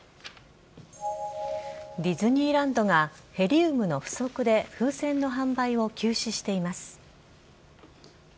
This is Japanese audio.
ディズニーランドが、ヘリウムの不足で風船の販売を休止しています。